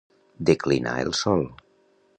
Declinar el sol.